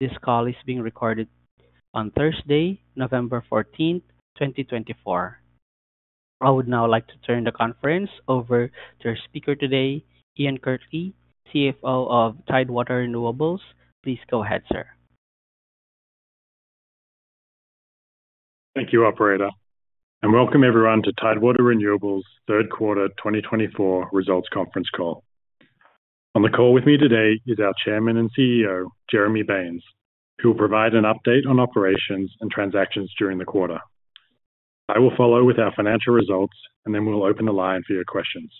This call is being recorded on Thursday, November 14, 2024. I would now like to turn the conference over to our speaker today, Ian Quartly, CFO of Tidewater Renewables. Please go ahead, sir. Thank you, Operator, and welcome, everyone, to Tidewater Renewables' third quarter 2024 results conference call. On the call with me today is our Chairman and CEO, Jeremy Baines, who will provide an update on operations and transactions during the quarter. I will follow with our financial results, and then we'll open the line for your questions.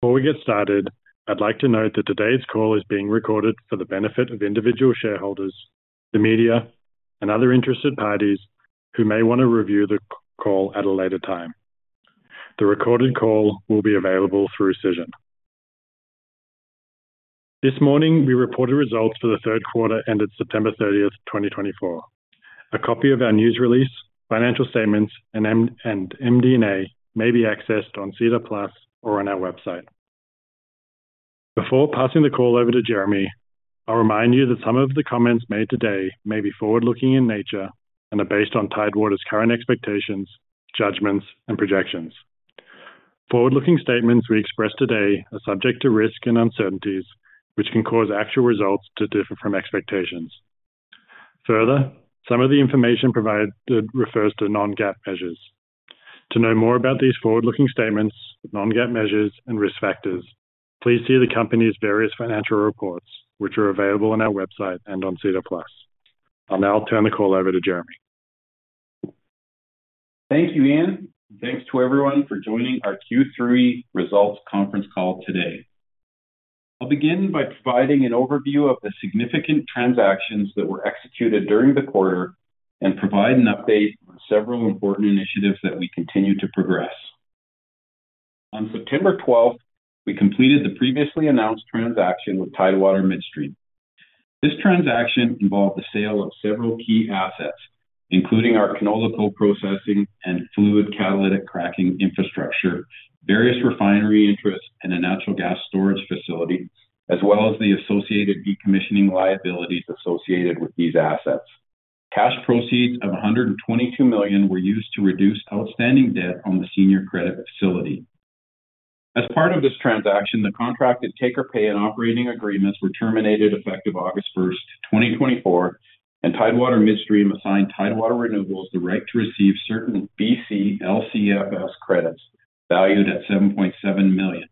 Before we get started, I'd like to note that today's call is being recorded for the benefit of individual shareholders, the media, and other interested parties who may want to review the call at a later time. The recorded call will be available through Cision. This morning, we reported results for the third quarter ended September 30th, 2024. A copy of our news release, financial statements, and MD&A may be accessed on SEDAR+ or on our website. Before passing the call over to Jeremy, I'll remind you that some of the comments made today may be forward-looking in nature and are based on Tidewater's current expectations, judgments, and projections. Forward-looking statements we express today are subject to risk and uncertainties, which can cause actual results to differ from expectations. Further, some of the information provided refers to Non-GAAP Measures. To know more about these forward-looking statements, Non-GAAP Measures, and risk factors, please see the company's various financial reports, which are available on our website and on SEDAR+. I'll now turn the call over to Jeremy. Thank you, Ian. Thanks to everyone for joining our Q3 results conference call today. I'll begin by providing an overview of the significant transactions that were executed during the quarter and provide an update on several important initiatives that we continue to progress. On September 12th, we completed the previously announced transaction with Tidewater Midstream. This transaction involved the sale of several key assets, including our canola co-processing and fluid catalytic cracking infrastructure, various refinery interests, and a natural gas storage facility, as well as the associated decommissioning liabilities associated with these assets. Cash proceeds of 122 million were used to reduce outstanding debt on the senior credit facility. As part of this transaction, the contracted take-or-pay and operating agreements were terminated effective August 1, 2024, and Tidewater Midstream assigned Tidewater Renewables the right to receive certain BC LCFS credits valued at 7.7 million.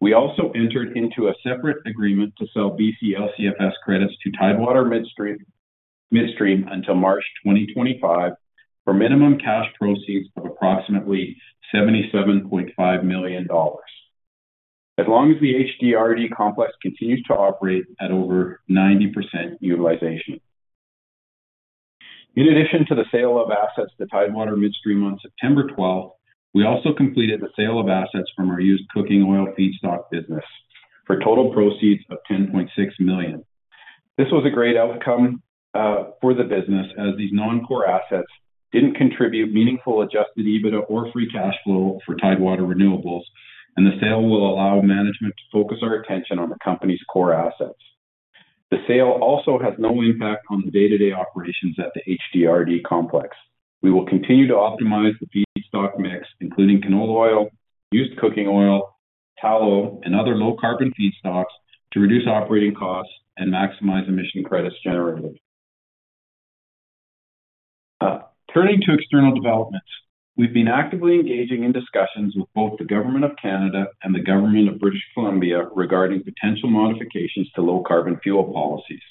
We also entered into a separate agreement to sell BC LCFS credits to Tidewater Midstream until March 2025 for minimum cash proceeds of approximately 77.5 million dollars, as long as the HDRD complex continues to operate at over 90% utilization. In addition to the sale of assets to Tidewater Midstream on September 12, we also completed the sale of assets from our used cooking oil feedstock business for total proceeds of 10.6 million. This was a great outcome for the business, as these non-core assets didn't contribute meaningful Adjusted EBITDA or free cash flow for Tidewater Renewables, and the sale will allow management to focus our attention on the company's core assets. The sale also has no impact on the day-to-day operations at the HDRD complex. We will continue to optimize the feedstock mix, including canola oil, used cooking oil, tallow, and other low-carbon feedstocks, to reduce operating costs and maximize emission credits generated. Turning to external developments, we've been actively engaging in discussions with both the Government of Canada and the Government of British Columbia regarding potential modifications to low-carbon fuel policies.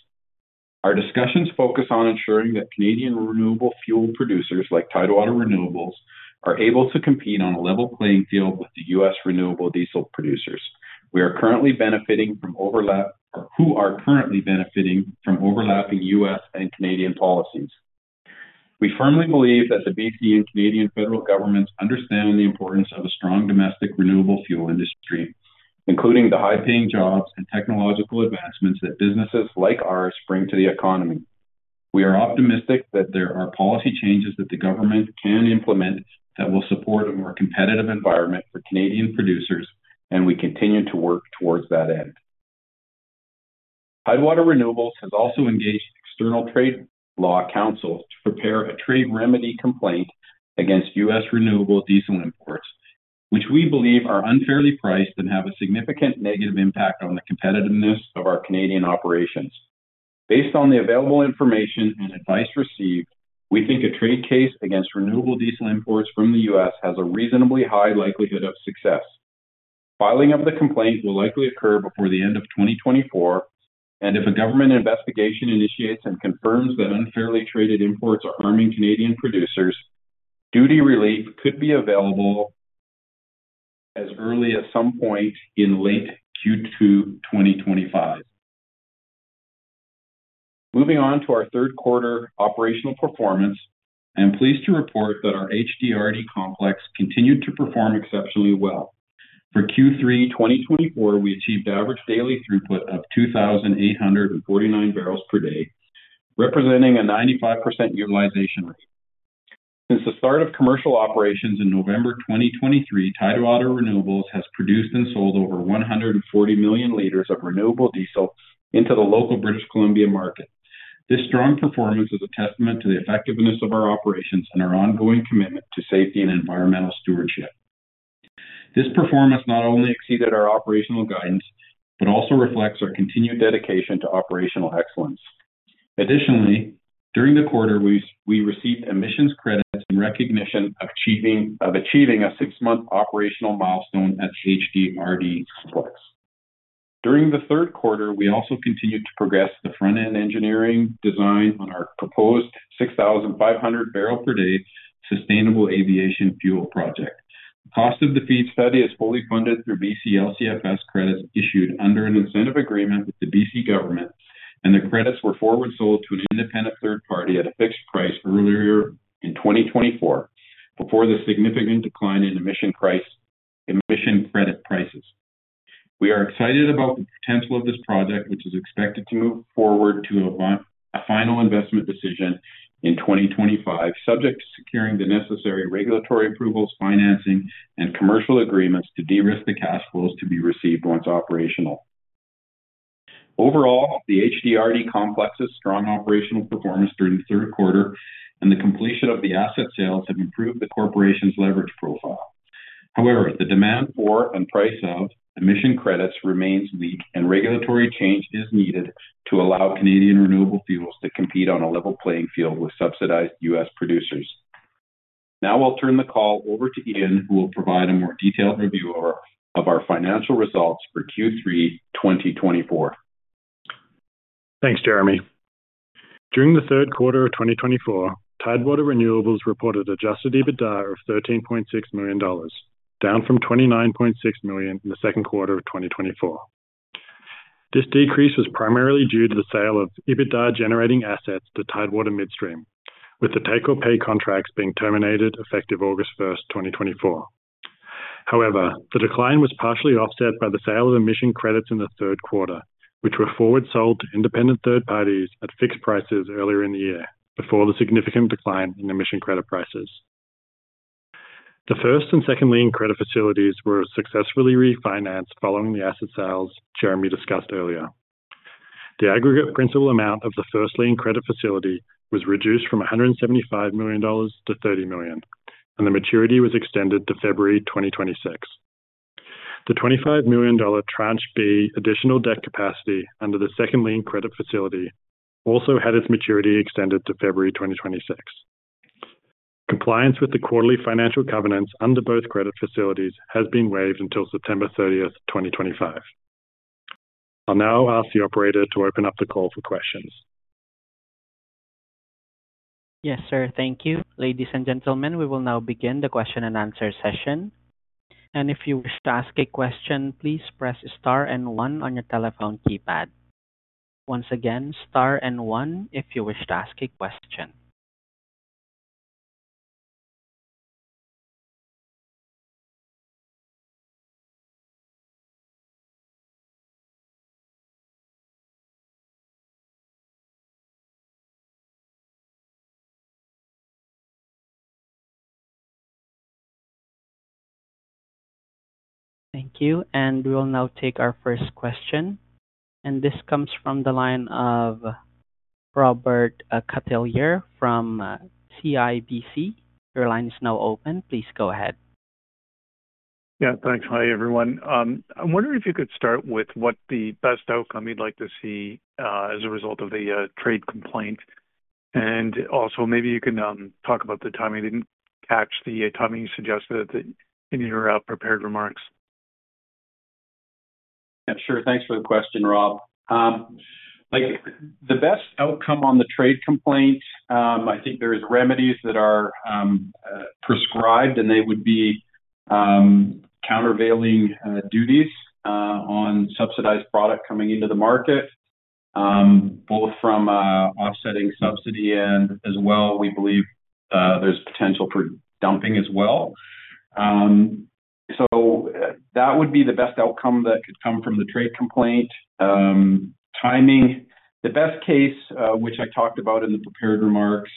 Our discussions focus on ensuring that Canadian renewable fuel producers like Tidewater Renewables are able to compete on a level playing field with the U.S. renewable diesel producers. We are currently benefiting from overlapping U.S. and Canadian policies. We firmly believe that the B.C. and Canadian federal governments understand the importance of a strong domestic renewable fuel industry, including the high-paying jobs and technological advancements that businesses like ours bring to the economy. We are optimistic that there are policy changes that the government can implement that will support a more competitive environment for Canadian producers, and we continue to work towards that end. Tidewater Renewables has also engaged the External Trade Law Council to prepare a trade remedy complaint against U.S. renewable diesel imports, which we believe are unfairly priced and have a significant negative impact on the competitiveness of our Canadian operations. Based on the available information and advice received, we think a trade case against renewable diesel imports from the U.S. has a reasonably high likelihood of success. Filing of the complaint will likely occur before the end of 2024, and if a government investigation initiates and confirms that unfairly traded imports are harming Canadian producers, duty relief could be available as early as some point in late Q2 2025. Moving on to our third quarter operational performance, I am pleased to report that our HDRD complex continued to perform exceptionally well. For Q3 2024, we achieved average daily throughput of 2,849 barrels per day, representing a 95% utilization rate. Since the start of commercial operations in November 2023, Tidewater Renewables has produced and sold over 140 million liters of renewable diesel into the local British Columbia market. This strong performance is a testament to the effectiveness of our operations and our ongoing commitment to safety and environmental stewardship. This performance not only exceeded our operational guidance but also reflects our continued dedication to operational excellence. Additionally, during the quarter, we received emissions credits in recognition of achieving a six-month operational milestone at the HDRD complex. During the third quarter, we also continued to progress the front-end engineering design on our proposed 6,500-barrel-per-day sustainable aviation fuel project. The cost of the FEED study is fully funded through BC LCFS credits issued under an incentive agreement with the BC government, and the credits were forward sold to an independent third party at a fixed price earlier in 2024 before the significant decline in emission credit prices. We are excited about the potential of this project, which is expected to move forward to a final investment decision in 2025, subject to securing the necessary regulatory approvals, financing, and commercial agreements to de-risk the cash flows to be received once operational. Overall, the HDRD complex's strong operational performance during the third quarter and the completion of the asset sales have improved the corporation's leverage profile. However, the demand for and price of emission credits remains weak, and regulatory change is needed to allow Canadian renewable fuels to compete on a level playing field with subsidized U.S. producers. Now I'll turn the call over to Ian, who will provide a more detailed review of our financial results for Q3 2024. Thanks, Jeremy. During the third quarter of 2024, Tidewater Renewables reported Adjusted EBITDA of 13.6 million dollars, down from 29.6 million in the second quarter of 2024. This decrease was primarily due to the sale of EBITDA-generating assets to Tidewater Midstream, with the take-or-pay contracts being terminated effective August 1, 2024. However, the decline was partially offset by the sale of emission credits in the third quarter, which were forward sold to independent third parties at fixed prices earlier in the year before the significant decline in emission credit prices. The first and second lien credit facilities were successfully refinanced following the asset sales Jeremy discussed earlier. The aggregate principal amount of the first lien credit facility was reduced from 175 million dollars to 30 million, and the maturity was extended to February 2026. The 25 million dollar Tranche B additional debt capacity under the Second Lien Credit Facility also had its maturity extended to February 2026. Compliance with the quarterly financial covenants under both credit facilities has been waived until September 30th, 2025. I'll now ask the Operator to open up the call for questions. Yes, sir. Thank you. Ladies and gentlemen, we will now begin the question-and-answer session. And if you wish to ask a question, please press star and one on your telephone keypad. Once again, star and one if you wish to ask a question. Thank you. And we will now take our first question. And this comes from the line of Robert Catellier from CIBC. Your line is now open. Please go ahead. Yeah, thanks. Hi, everyone. I'm wondering if you could start with what the best outcome you'd like to see as a result of the trade complaint, and also, maybe you can talk about the timing. I didn't catch the timing you suggested in your prepared remarks. Yeah, sure. Thanks for the question, Rob. The best outcome on the trade complaint, I think there are remedies that are prescribed, and they would be countervailing duties on subsidized product coming into the market, both from offsetting subsidy and as well, we believe there's potential for dumping as well. So that would be the best outcome that could come from the trade complaint. Timing, the best case, which I talked about in the prepared remarks,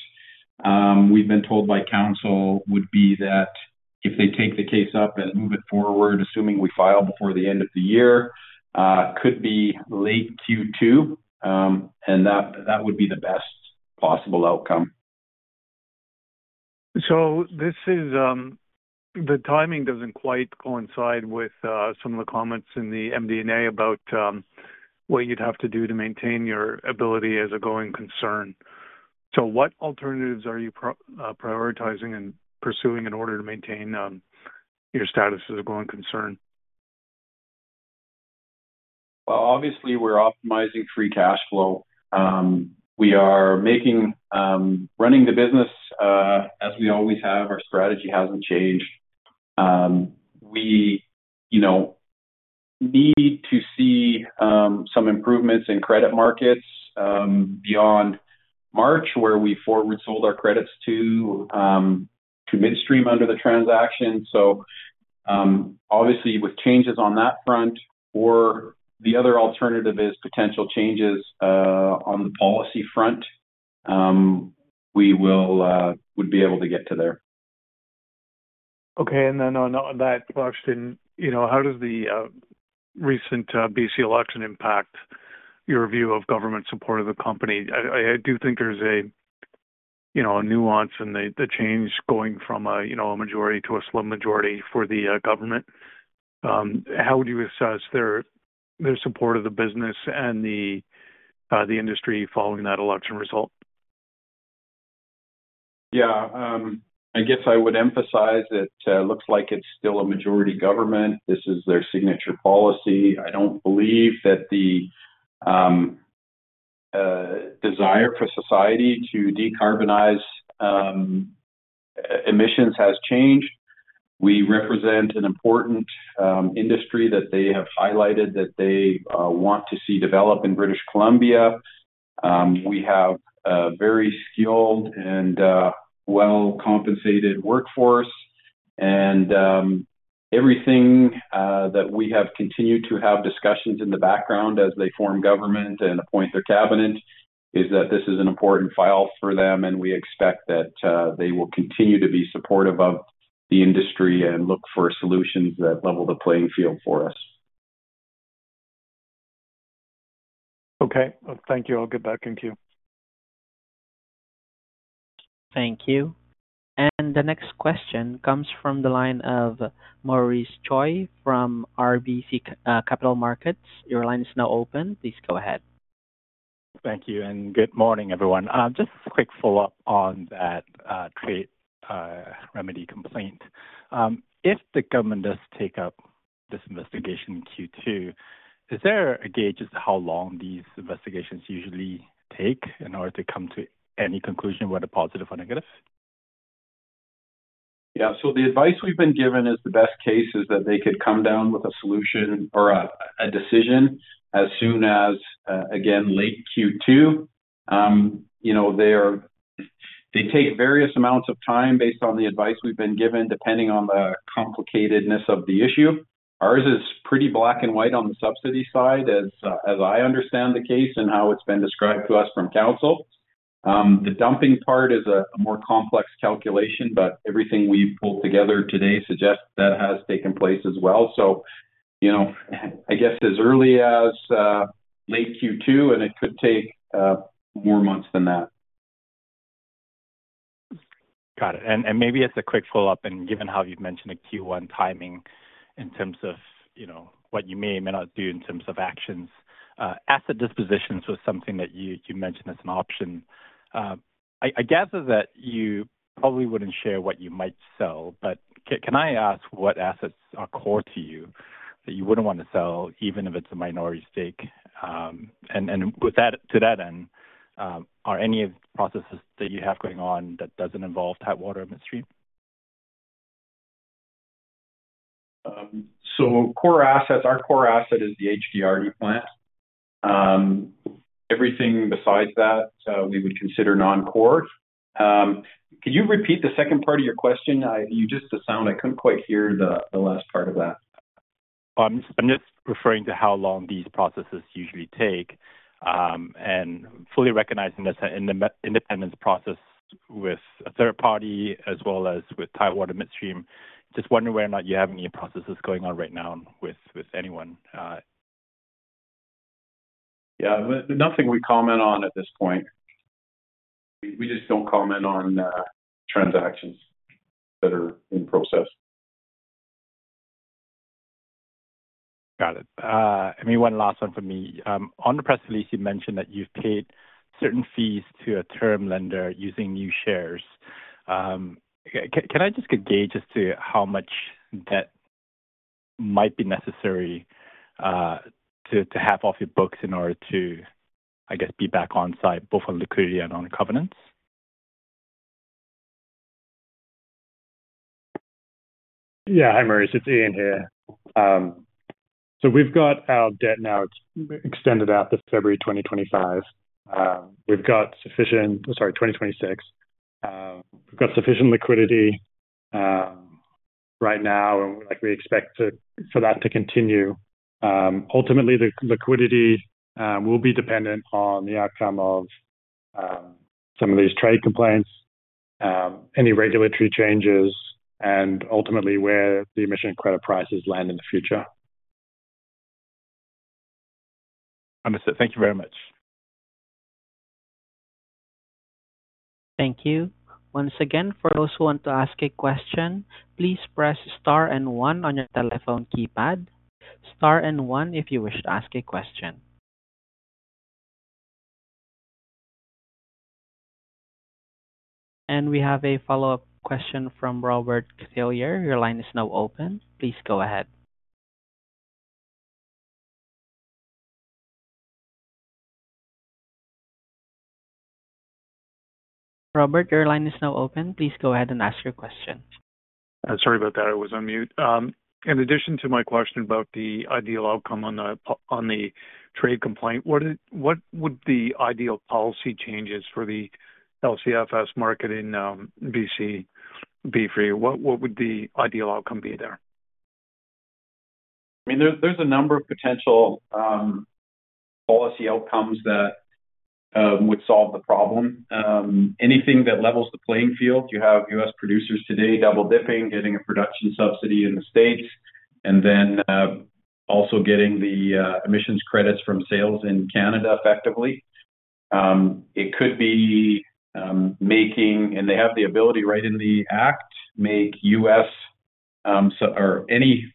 we've been told by counsel would be that if they take the case up and move it forward, assuming we file before the end of the year, could be late Q2, and that would be the best possible outcome. So the timing doesn't quite coincide with some of the comments in the MD&A about what you'd have to do to maintain your ability as a going concern. So what alternatives are you prioritizing and pursuing in order to maintain your status as a going concern? Obviously, we're optimizing free cash flow. We are running the business as we always have. Our strategy hasn't changed. We need to see some improvements in credit markets beyond March, where we forward sold our credits to Midstream under the transaction. So obviously, with changes on that front, or the other alternative is potential changes on the policy front, we would be able to get to there. Okay. And then on that question, how does the recent BC election impact your view of government support of the company? I do think there's a nuance in the change going from a majority to a slim majority for the government. How would you assess their support of the business and the industry following that election result? Yeah. I guess I would emphasize that it looks like it's still a majority government. This is their signature policy. I don't believe that the desire for society to decarbonize emissions has changed. We represent an important industry that they have highlighted that they want to see develop in British Columbia. We have a very skilled and well-compensated workforce. And everything that we have continued to have discussions in the background as they form government and appoint their cabinet is that this is an important file for them, and we expect that they will continue to be supportive of the industry and look for solutions that level the playing field for us. Okay. Thank you. I'll get back in queue. Thank you. And the next question comes from the line of Maurice Choy from RBC Capital Markets. Your line is now open. Please go ahead. Thank you. And good morning, everyone. Just a quick follow-up on that trade remedy complaint. If the government does take up this investigation in Q2, is there a gauge as to how long these investigations usually take in order to come to any conclusion, whether positive or negative? Yeah. So the advice we've been given is the best case is that they could come down with a solution or a decision as soon as, again, late Q2. They take various amounts of time based on the advice we've been given, depending on the complicatedness of the issue. Ours is pretty black and white on the subsidy side, as I understand the case and how it's been described to us from counsel. The dumping part is a more complex calculation, but everything we've pulled together today suggests that has taken place as well. So I guess as early as late Q2, and it could take more months than that. Got it. And maybe as a quick follow-up, and given how you've mentioned a Q1 timing in terms of what you may or may not do in terms of actions, asset dispositions was something that you mentioned as an option. I guess that you probably wouldn't share what you might sell, but can I ask what assets are core to you that you wouldn't want to sell, even if it's a minority stake? And to that end, are any processes that you have going on that don't involve Tidewater Midstream? So our core asset is the HDRD plant. Everything besides that, we would consider non-core. Could you repeat the second part of your question? You just cut out. I couldn't quite hear the last part of that. I'm just referring to how long these processes usually take. And fully recognizing that's an independent process with a third party as well as with Tidewater and Midstream, just wondering whether or not you have any processes going on right now with anyone? Yeah. Nothing we comment on at this point. We just don't comment on transactions that are in process. Got it. And one last one from me. On the press release, you mentioned that you've paid certain fees to a term lender using new shares. Can I just get a gauge to how much debt might be necessary to have off your books in order to, I guess, be back in sight, both on liquidity and on covenants? Yeah. Hi, Maurice. It's Ian here. So we've got our debt now extended out to February 2025. We've got sufficient, sorry, 2026. We've got sufficient liquidity right now, and we expect for that to continue. Ultimately, the liquidity will be dependent on the outcome of some of these trade complaints, any regulatory changes, and ultimately where the emission credit prices land in the future. Understood. Thank you very much. Thank you. Once again, for those who want to ask a question, please press star and one on your telephone keypad. Star and one if you wish to ask a question. And we have a follow-up question from Robert Catellier. Your line is now open. Please go ahead. Robert, your line is now open. Please go ahead and ask your question. Sorry about that. I was on mute. In addition to my question about the ideal outcome on the trade complaint, what would the ideal policy changes for the LCFS market in BC be for you? What would the ideal outcome be there? I mean, there's a number of potential policy outcomes that would solve the problem. Anything that levels the playing field. You have U.S. producers today double-dipping, getting a production subsidy in the States, and then also getting the emissions credits from sales in Canada effectively. It could be making, and they have the ability right in the act, make U.S. or any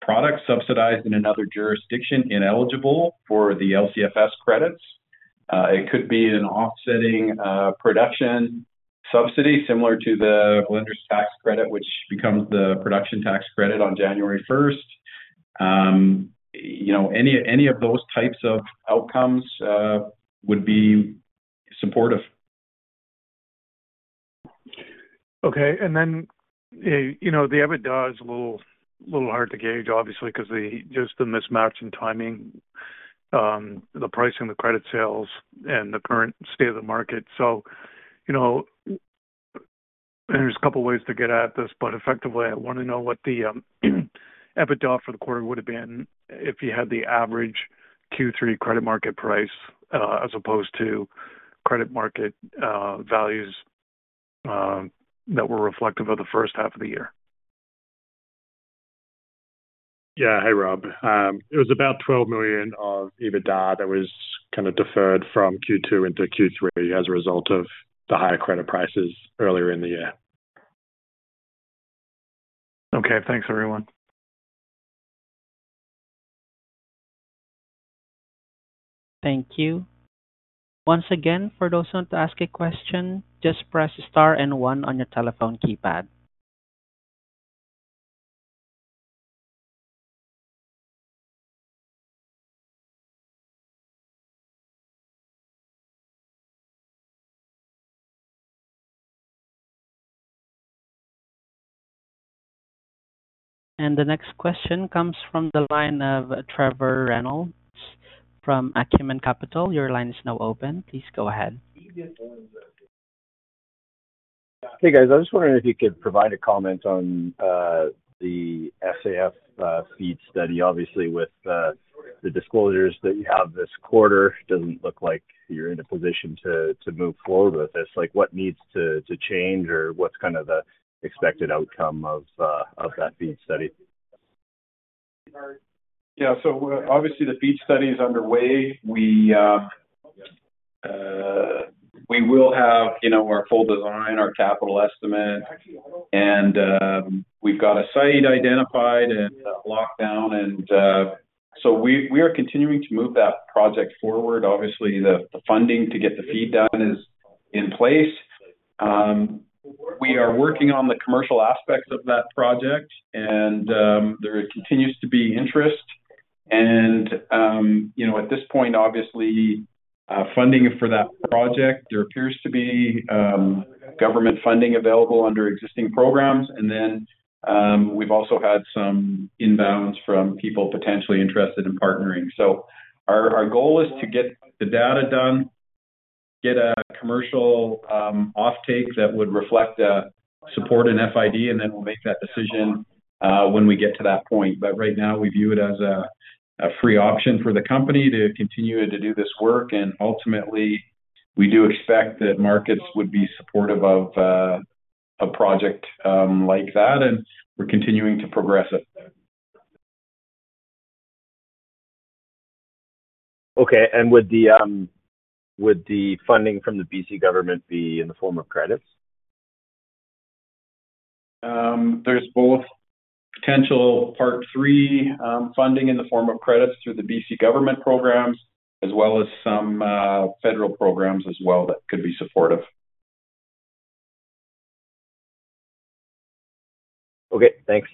product subsidized in another jurisdiction ineligible for the LCFS credits. It could be an offsetting production subsidy similar to the Blender's Tax Credit, which becomes the production tax credit on January 1st. Any of those types of outcomes would be supportive. Okay. And then the EBITDA is a little hard to gauge, obviously, because of just the mismatch in timing, the pricing, the credit sales, and the current state of the market. So there's a couple of ways to get at this, but effectively, I want to know what the EBITDA for the quarter would have been if you had the average Q3 credit market price as opposed to credit market values that were reflective of the first half of the year. Yeah. Hey, Rob. It was about 12 million of EBITDA that was kind of deferred from Q2 into Q3 as a result of the higher credit prices earlier in the year. Okay. Thanks, everyone. Thank you. Once again, for those who want to ask a question, just press star and 1 on your telephone keypad. And the next question comes from the line of Trevor Reynolds from Acumen Capital. Your line is now open. Please go ahead. Hey, guys. I was wondering if you could provide a comment on the SAF FEED study. Obviously, with the disclosures that you have this quarter, it doesn't look like you're in a position to move forward with this. What needs to change, or what's kind of the expected outcome of that FEED study? Yeah. So obviously, the FEED study is underway. We will have our full design, our capital estimate, and we've got a site identified and locked down. And so we are continuing to move that project forward. Obviously, the funding to get the FEED down is in place. We are working on the commercial aspects of that project, and there continues to be interest. And at this point, obviously, funding for that project, there appears to be government funding available under existing programs. And then we've also had some inbounds from people potentially interested in partnering. So our goal is to get the data done, get a commercial offtake that would reflect support in FID, and then we'll make that decision when we get to that point. But right now, we view it as a free option for the company to continue to do this work. And ultimately, we do expect that markets would be supportive of a project like that, and we're continuing to progress. Okay. And would the funding from the BC government be in the form of credits? There's both potential Part III funding in the form of credits through the BC government programs, as well as some federal programs as well that could be supportive. Okay. Thanks.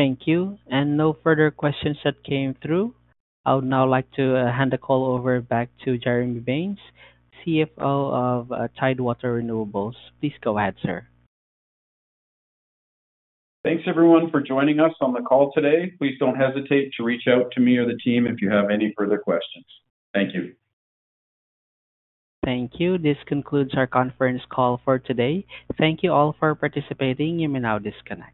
Thank you. And no further questions that came through. I would now like to hand the call over back to Jeremy Baines, CEO of Tidewater Renewables. Please go ahead, sir. Thanks, everyone, for joining us on the call today. Please don't hesitate to reach out to me or the team if you have any further questions. Thank you. Thank you. This concludes our conference call for today. Thank you all for participating. You may now disconnect.